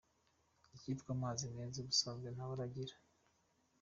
Icyitwa amazi meza ubusanzwe nta bara agira.